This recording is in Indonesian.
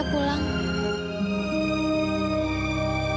ketuhan mau ya